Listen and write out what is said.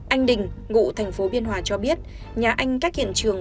anh đình ngụ thành phố biên hòa cho biết nhà anh cách hiện trường